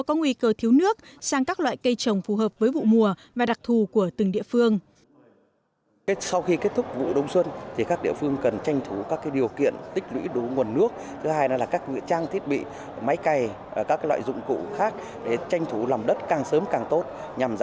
có nguy cơ thiếu nước sang các loại cây trồng phù hợp với các loại cây trồng